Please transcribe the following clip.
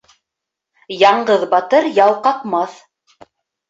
Яңғыҙ батыр яу ҡаҡмаҫ.